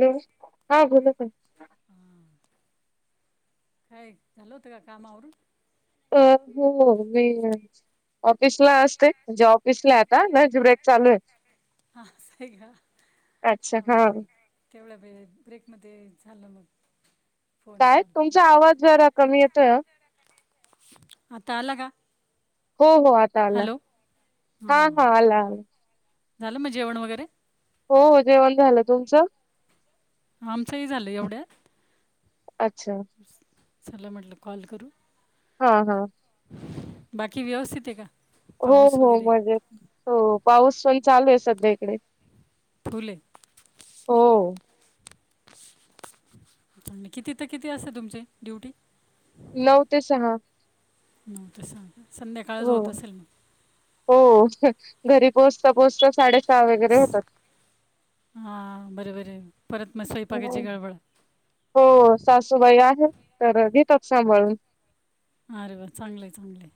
Hello हा बोल ना काय झालं होतं का कामावरून? अ हो मी ऑफिस ला असतें म्हणजे ऑफिसला आहे आता ना लंच ब्रेक चालू आहे. ह सर का [unintelligible] अच्छा हा. हां तेवढ्या ब्रेकमध्ये झालं मग फोन काय कॉल. तुमचा आवाज जरा कमी येतो. आता आला का? हो हो आता आला हॅलो हा हां हा आला आला झालं मग जेवण वगैरे? हो हो जेवण झालं तुमचं? आमचंही झालं एवढ्यात अच्छा. चला म्हटलं काल करू हा हा. बाकी व्यवस्थित आहे का? हो पाऊस हो वगैरे मजेत हो पाऊस पण चालू आहे सध्या इकडे फुल आहे. हो. किती ते किती असते तुमचे ड्युटी? नऊ ते सहा. हो तसं संध्याकाळच हो होत असेल म. हो घरी पोहचता पोहोचता साडे हा बरे बरे हो सासूबाई आहे तर घेतात सांभाळून. अरे वा चांगलं आहे चांगलं आहे,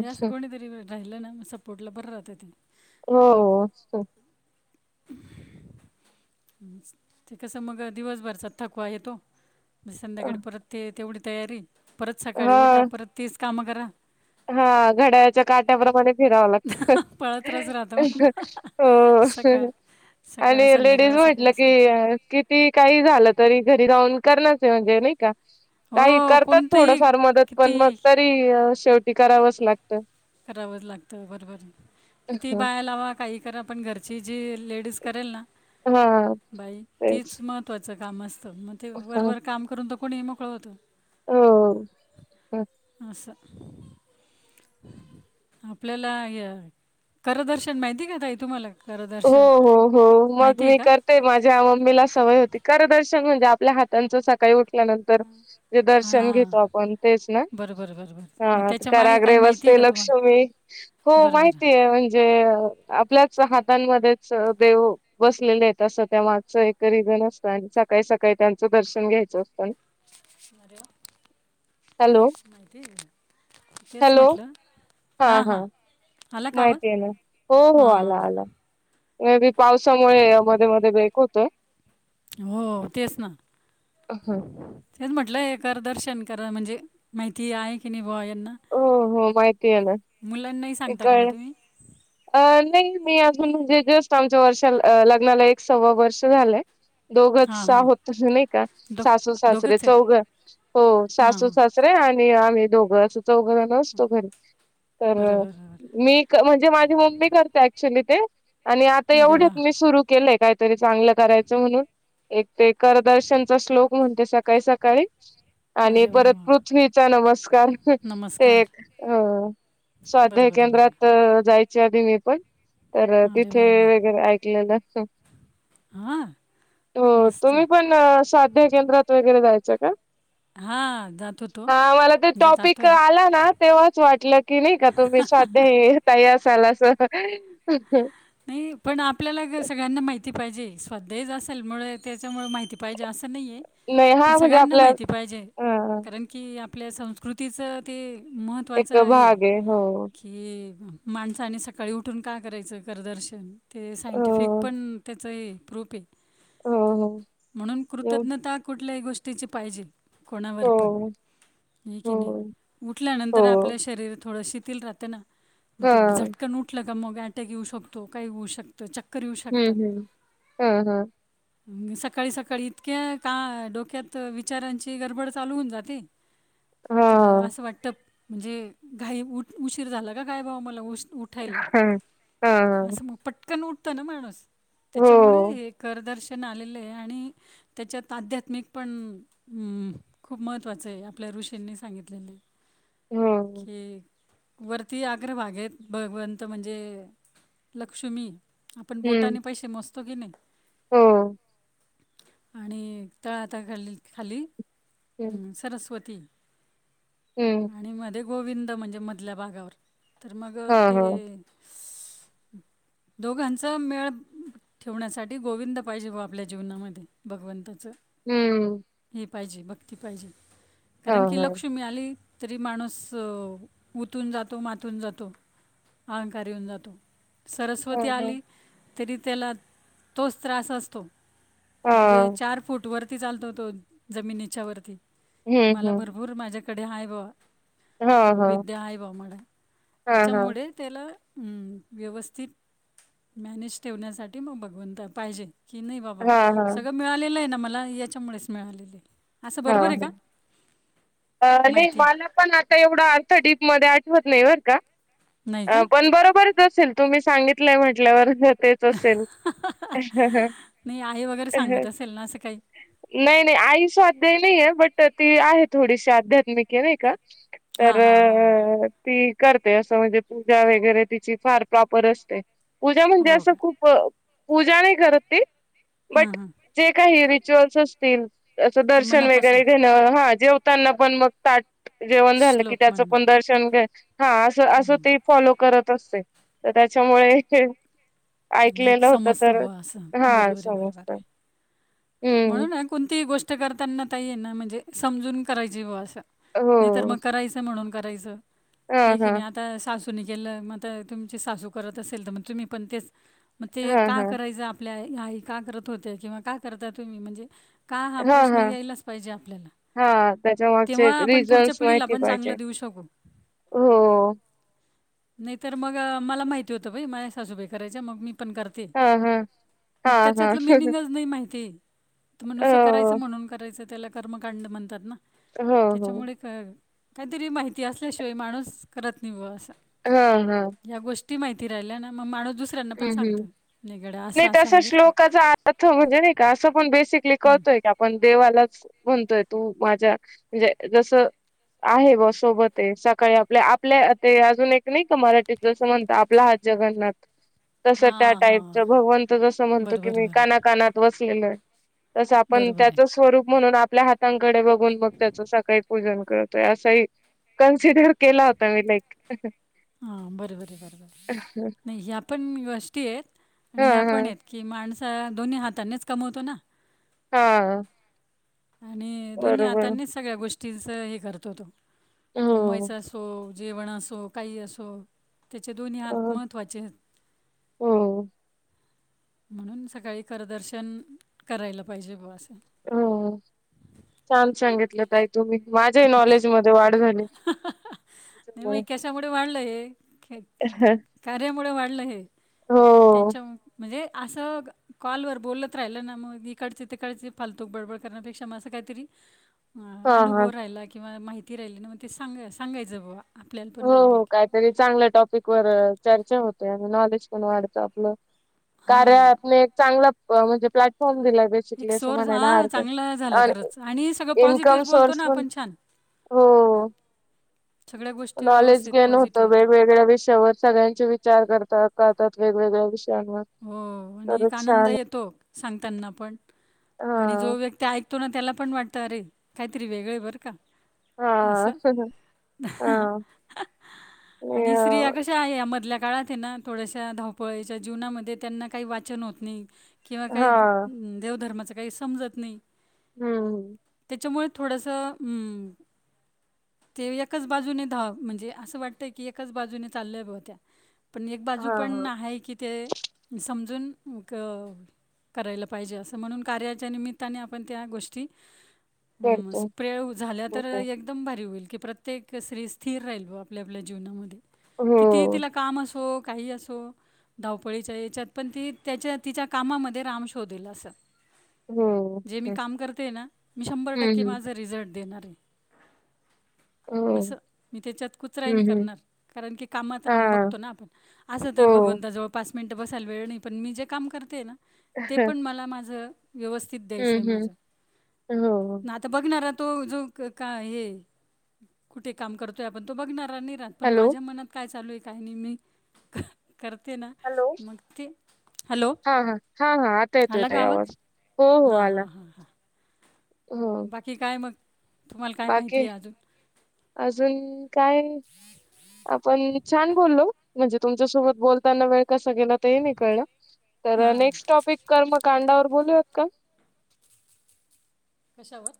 हे असं कोणीतरी राहिलं ना सपोर्ट ला बरं राहतं ते. हो असतं ते कसं मग दिवसभरचा थकवा येतो तो म्हणजे संध्याकाळी परत ते तेवढी तयारी परत सकाळी उठा हा परत तीच कामं करा. हा घड्याच्या काट्याप्रमाणे फिरावं लाग पळतच राहतं म्हणून हो सकाळ आणि सकाळ, लेडीज संध्याकाळ म्हटलं सकाळ संध्याकाळ की किती काही झालं तरी घरी जाऊन करण्याच म्हणजे नाही का काही हो करतात कोणतंही थोडफार मदत किती पण मग तरी शेवटी करावच लाग करावंच लागतं बरोबर किती बाया लावा काही करा पण घरची जी लेडीज करेल ना हा बाई तीच तेच महत्वाचं काम अस तं मग ते हा वरवर काम करून तर कोणी मोकळं होतो. हो. स आपल्याला हे हाय करदर्शन माहिती का ताई तुम्हाला? हो करदर्शन हो हो मग माहिती आहे मी का करते माझ्या मम्मीला सवय होती करदर्श [unintelligible] म्हणजे आपल्या हाताच सकाळी उठल्यानंतर जे दर्शन हां घेतो आपण तेच ना? बरं बरं बरं बरं मग हा त्याच्या मागे काही कराग्रय माहिती आहे वसते का तुम्हाला लक्ष्मी हो बरं बरं माहितीय म्हणजे अ आपल्याच हात हातांमध्येच देव बसलेले आहेत असं त्या मागचा एकरीगन असतं आणि सकाळी सकाळी त्यांचा दर्शन घ्यायचं असतं न. अरे वाह! तेच हॅलो म्हटलं हा हा. माहिती आहे ना हो हो आला आला. पावसामुळे मध्ये मध्ये ब्रेक होतोय. हो तेच ना. हो तेच म्हटलंय एकरदर्शन करा म्हणजे माहिती आहे की नाही बो या हो हो माहिती आहे ना मुलांनाही सांगता का मग इकडनं तुम्ही अ नाही मी म्हणजे जस्ट आमच्या वर्षाला अ लग्नाला एक सवा वर्ष झालंय. दोघच हां सा हां होत नाही का दो सासू सासरे दोघंच आहेत चौघं हो हां सासू हां सासरे आणि आम्ही दोघं अस. चौघं जण असतो घरी तर बरं बरं बरं मी क म्हणजे माझी मम्मी करते ऍक्च्युली ते आणि आता अरे वा एवढेत मी सुरू केलेय काय तरी चांगलं करायचं म्हणून एक ते करदर्शनचा श्लोक म्हणते सकाळी सकाळी आणि अरे वा परत वा वा. पृथ्वीचा नमस्कार. ते नमस्कार अ बरं स्वाध्याय बरं केंद्रात त बरं जायचे आदी मी पण तर अरे तिथे वा वा वगैरे ऐकलेला स हां हो मस्त तुम्ही पण साध्य केंद्रात वगैरे जायच का? हा जातो तो जे जातो. क आहे आला ना तेव्हाच वाटलं की नाही का तुम्ही साद्य हे तयार साला सह नाइ पण आपल्याला सगळ्यांना माहित पाहिजे स्वाध्याय असेलमुळे त्याच्यामुळे माहिती पाहिजे अस नाई ये नाही पण हा म्हणजे सगळ्यांना आपला माहिती पायजे अ कारण की आप आपल्या संस्कृतीचं ते एक महत्त्वाचं हे भाग आहे हो. की माणसाने सकाळी उठून का करायचं करदर्शन ते सायंटिफिक हो पण त्याचं हे प्रूफ हो म्हणून हो कृतज्ञता कुठल्याही गोष्टीची पाहिजे. कोणावर पण हो हे की नाही हो उठल्यानंतर आपल्या हो. शरीर थोडं शिथल राहतं ना म हा ते झटकन उठलं का मग अट्याक येऊ शकतो काही होऊ शकतं चक्क हम्म हम्म हा हा सकाळी सकाळी इतक्या का डोक्यात विचारांची गडबड चालू होऊन जाते. हा तर असं वाटत म्हणजे घाई उठ उशीर झाला का काय बाबा मला उशी हा हा. हा असं मग पटकन उठत ना माणूस हो त्याच्यामुळे हे करदर्श पण आलेले आहे आणि त्याच्यात आध्यात्मिक पण खूप हम्म महत्वाचं आहे आपल्या ऋषींनी सांगितलेलय. हम् वरती आग्रभागेत भगवंत म्हणजे लक्ष्मी आपण हम्म बोटाने पैसे मोजतो कि नय हो. आणि तळहाता खाली खाली हम्म सरस्वती हम्म आणि मध्ये गोविंद म्हणजे मधल्या भागावर तर मग हा ते हा. दोघांच मेळ ठेवण्यासाठी गोविंद पाहिजे बुआ आपल्या जीवनामध्ये भगवंताच हूं पाहिजे भक्ती पाहिजे कारण की हो. लक्ष्मी आली. तरी माणूस उतून जातो मातून जातो अहंकार येऊन जातो. सरस्वती हो. आली तरी त्याला तोच त्रास असतो. म्हणजे चार फूट वरती चालतो तो जमिनीच्या वरती हं, मला हं. भरपूर माझ्याकडे हा बाबा हो, हो. विद्या हाय बाबा मडा हां, हां. याच्यामुळे त्याला अम् व्यवस्थित मॅनेज ठेवण्यासाठी मग भगवंता पाहिजे. की नाही बाबा हां, हां. सगळं मिळालेलंय ना मला याच्यामुळेच मिळालेलेय. हा नाही माहिती मला पण आता एवढा अर्थ डीप मध्ये आ ठवत नाही बरं नाही का का पण बरोबरच असेल तुम्ही सांगितलंय म्हटल्यावर तेच असेल. नाही आई वगैरे सांगत असेल ना असं काही नाय नाय आई स्वाध्याय नाय. नाय बट ती आहे थोडीशी आध्यात्मिक ये नाही का तर हां हां हां हां ती करते असं म्हणजे पूजा वगैरे तिची फार प्रॉपर असते. पूजा म्हणजे हो असं का खूप अ पूजा नाही करत ती हां बट हां जे काही रिचुअल्स असतील. ते दर्शन वगैरे मनापासून घेणं हा जेवताना पण मग ताट जेवण झालं की श्लोक त्याच म्हणणं पण दर्शन घे हा अस अस ती फॉलो करत असते. त त्याच्यामुळे म्हणजे एक ऐकलेलं होत समजत तर बुआ अस हा बरबर ये बर बर समजत ये. हम्म म्हणून नं कोणतीही गोष्ट करताना ताई ये ना म्हणजे समजून करायची बुआ असं हो नाही तर मग करायच म्हणून करायचं हा हे की हा नाही आता सासू नी केल म आता तुमची सासू करत असेल तर म तुम्ही पण तेच म ते हा का हा करायचं आपल्या आई का करत होत्या किंवा का करता तुम्ही म्हणजे का हा प्रश्न यायलाच पाहिजे आपल्याला हा त्याच्या मागचे तेव्हा आपण पुढच्या रीजन्स पिढीला माहिती पण पाहिजे. चांगलं देऊ शकू हो नाही तर मग मला माहिती होतं बाई. माझ्या सासूबाई करायच्या मग मी पण करते. हा हा हा मग हा त्याच्यातलं मिनिंगच नाही माहिती. तर म्हणुसं करायचं हो म्हणून करायचं, त्याला कर्मकांड म्हणतात ना. हो हो त्याच्यामुळे क काहीतरी माहिती असल्याशिवाय माणूस करत नाही बवा असं. ह ह ती माहिती राहिल्या ना मग माणू हम्म हम्म नाही असं तसा आहे बरं का. श्लोकाचा अर्थ म्हणजे नाही का असं पण बेसिकली हं. करतोय की आपण देवालाच म्हणतोय तू माझ्या म्हणजे जस आहे बवा सोबत आहे. सकाळी आपल्या आपल्या ते अजून एक नाही का मराठीत जसं म्हणतात आपला हात जगन्नाथ. तस त्या हां, टाईपच हां. भगवंत जसं म्हणतो बरं, की बरं, मी बरं. कना कनात वसलेलो आहे. तस आपण बरोबर आहे. त्याच स्वरूप म्हणून आपल्या हातांकडे बघून मग त्याचं सकाळी पूजन करतोय असाही कन्सिडर केला होता मी लाईक हा बर बर बर बर नाही ह्या पण गोष्टी आहेत. आणि हा ह्या हा पण आहेत की माणस दोन्ही हातानेच कमवतो ना. हा आणि दोन्ही बरोबर हातांनीच सगळ्या गोष्टींच हे करतो तो हो कमवायचा असो जेवण असो. काही असो. त्याचे दोन्ही हात महत्त्वाचे. हो म्हणून सकाळी करदर्शन करायला पाहिजे बुवा असं. हो छान सांगितलं ताई तुम्ही. माझ्याही नॉलेज मध्ये वाढ झाली. नाही म तुमच्यामुळे. कशामुळे वाढलं हे कार्यामुळे वाढलं हे. हो त्यांच्या मु म्हणजे असं कॉलवर बोलत राहिलं ना, मग इकडचे तिकडचे फालतूक बडबड करण्यापेक्षा मग असं काहीतरी अ हा हा अनुभव राहिला किंवा माहिती राहिली ना मग ते सांग सांगायचं बुवा. आपल्याला पण हो राहिली हो काहीतरी चांगल्या टॉपिक वर चर्चा होते, आणि नॉलेज पण वाढत आपलं. कार्या हां आपले चांगलं म्हणजे प्लॅटफॉर्म दिलाय एक बेसिकली अस सोर्स म्हणायला हां चांगलं हरकत झालं आणि खरंच सगळं इनकम पॉझिटिव्ह बोलतो सोर्स ना पण हो सगळ नॉलेज गेन होत वेगवेगळ्या विषयावर सगळ्यांचे विचार करत करतात वेगवेगळ्या विषया हो आणि एक आनंद येतो. सांगताना पण आणि हा जो व्यक्ती ऐकतो ना त्याला पण वाट अरे काहीतरी वेगळे आहे बरं का. हा असं असना हा आणि स्त्रिया कशा आहे या मधल्या काळात ये ना थोड्याश्या धावपळीच्या जीवनामध्ये त्यांना काही वाचन होत नाही. किंवा काही हा देवधर्माचं काही समजत नाही. हम्म हम्म त्याच्यामुळे थोडासं ते एकाच बाजूने धाव, म्हणजे असं वाटतंय की एकाच बाजूने चालल्या बवा त्या. पण एक बाजू हा हा पण आहे की ते समजून करायला पाहिजे. असं म्हणून कार्याच्या निमित्ताने आपण त्या गोष्टी करतो स्प्रे झाल्या तर ओके. एकदम भारी होईल की प्रत्येक स्त्री स्थिर राहील बवा आपल्या आपल्या जीवनामध्ये. कितीही हो तिला काम असो काही असो धावपळीच्या याच्यात पण ती त्याच्या तिच्या कामामध्ये राम शोधेल असं. हो जे मी हम्म काम करते ना मी शंभर टक्के हम्म माझ रिझल्ट देणार. ह हो असं मी त्याच्यात कुचराय हम्म नाही हम्म करणार कारण की कामात रा हा आम बघतो ना आपण असं त हो बघ जवळ पाच मिनिट बसायला वेळ नाही पण मी जे काम करते ना ते पण मला माझ व्यवस्थित द्यायचंय हम्म हम्म माझं हो आता बघनारत तो जो काय हे कुठे काम करतोय आपण तो बघणार राह पण हॅलो माझ्या मनात काय चालूये काही नाही मी करते ना. हॅलो मग ते हॅलो हा हा हा हा आता येतो आला का येतोय आवाज? हो हो हा आला हा हा हा. हो बाकी काय मग? तुम्हाला काय बाकी माहिती आहे अजून अजून, काय आपण छान बोलो म्हणजे तुमच्यासोबत बोलताना वेळ कस गेला तेही नाही कळलं, तर हां नेक्स्ट टॉपिक कर्म काडावर बोलूयात का? कशावर?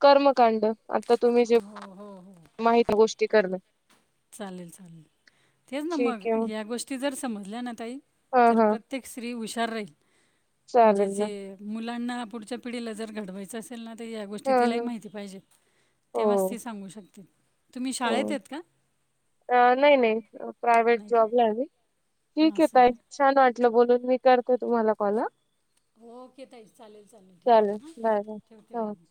कर्मकांड आता तुम्ही जे हो हो हो माहिती गोष्टी करल, चालेल चालेल. तेच ना मग ठीक आहे या गोष्टी जर समजल्या ना ताई हा तर हा प्रत्येक स्त्री हुश राहील म्हणजे चालेल ना जे मुलांना पुढच्या पिढीला जर घडवायचं असेल ना? त ह्या गोष्टी हां, तिलाही हां. माहिती पाहिजे तेव्हाच ती हो, सांगू शकते. तुम्ही हो. शाळेतेत का? अ नाही नाही प्रायवहेट नाही जॉब लाय मी का? ठीके असं आहे ताई का? छान वाटलं बोलून. मी करते तुम्हाला कॉल अ. ओके ताई चालेल चालेल ठीके हां बाय, बाय. ठेवते हो. मग.